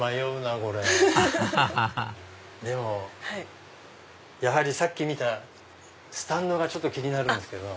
アハハハでもやはりさっき見たスタンドがちょっと気になるんですけど。